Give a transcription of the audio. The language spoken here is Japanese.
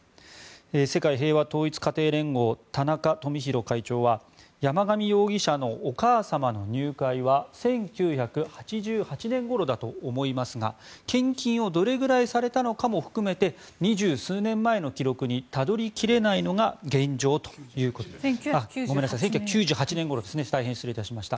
世界平和統一家庭連合田中富広会長は山上容疑者のお母様の入会は１９９８年ごろだと思いますが献金をどれぐらいされたのかも含めて２０数年前の記録にたどり切れないのが現状ということです。